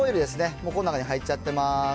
もうこん中に入っちゃってます。